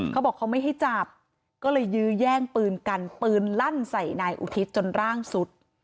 เขาบอกเขาไม่ให้จับก็เลยยื้อแย่งปืนกันปืนลั่นใส่นายอุทิศจนร่างสุด